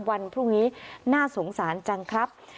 วันพรุ่งนี้น่าสงสารจังครับ